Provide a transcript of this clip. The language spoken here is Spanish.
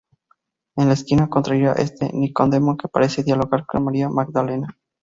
En la esquina contraria está Nicodemo que parece dialogar con María Magdalena.